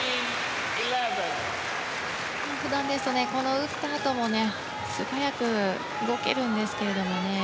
普段ですと打ったあとも素早く動けるんですけどもね。